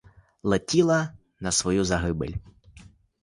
Летіла на свою загибель.